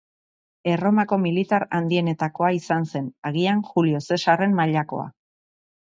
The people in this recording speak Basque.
Erromako militar handienetakoa izan zen, agian Julio Zesarren mailakoa.